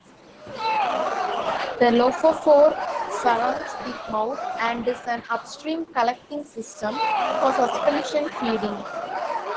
The lophophore surrounds the mouth and is an upstream collecting system for suspension feeding.